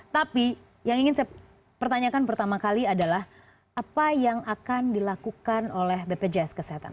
tapi yang ingin saya pertanyakan pertama kali adalah apa yang akan dilakukan oleh bpjs kesehatan